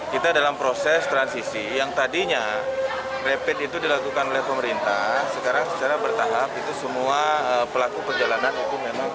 kita dalam proses transisi yang tadinya rapid itu dilakukan oleh pemerintah sekarang secara bertahap itu semua pelaku perjalanan itu memang